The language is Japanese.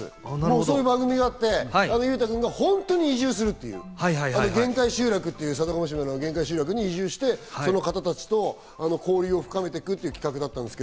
そういう番組があって裕太くんが本当に移住するっていう限界集落に移住して、その方たちと交流を深めていくという企画でした。